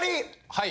はい。